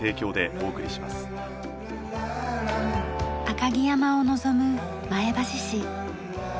赤城山を望む前橋市。